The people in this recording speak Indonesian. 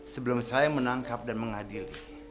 sebelum saya menangkap dan mengadili